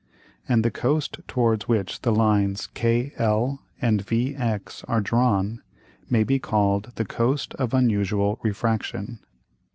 And the Coast towards which the lines KL and VX are drawn, may be call'd the Coast of unusual Refraction.